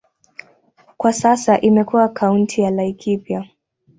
Kwa sasa imekuwa kaunti ya Laikipia.